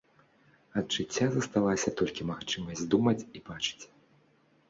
Ад жыцця засталася толькі магчымасць думаць і бачыць.